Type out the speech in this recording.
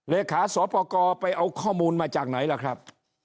เลขาสปกรไปเอาข้อมูลมาจากไหนล่ะครับ